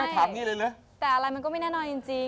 ใช่แต่อะไรมันก็ไม่แน่นอนจริง